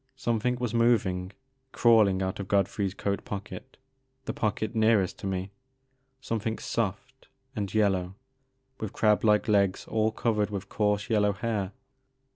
Something was moving, — crawling out of God frey's coat pocket, — the pocket nearest to me, — something soft and yellow with crab like legs all covered with coarse yellow hair.